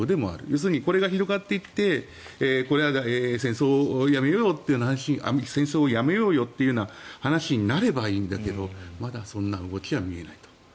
要するにこれが広がっていって戦争をやめようよというような話になればいいんだけどまだそんな動きは見えないと。